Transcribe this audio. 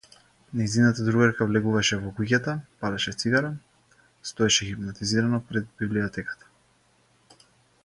Нејзината другарка влегуваше во куќата, палеше цигара, стоеше хипнотизирано пред библиотеката.